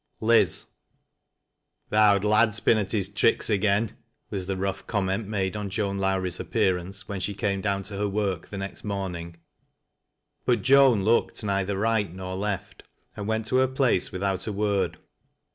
CHAPTER II " Th' owd lad's been at his tricks again," was the lough lomment made on Joan Lowrie's appearance when sht eame down to her work the next morning ; but Joan looked neither ^ight nor left, and went to her place with out a word.